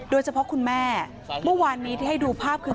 คุณแม่เมื่อวานนี้ที่ให้ดูภาพคือ